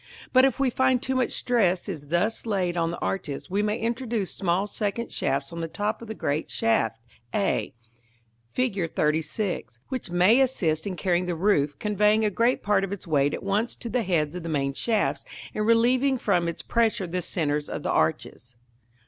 But if we find too much stress is thus laid on the arches, we may introduce small second shafts on the top of the great shaft, a, Fig. XXXVI., which may assist in carrying the roof, conveying great part of its weight at once to the heads of the main shafts, and relieving from its pressure the centres of the arches.